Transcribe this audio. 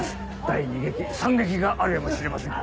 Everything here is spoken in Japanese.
第２撃３撃があるやもしれません。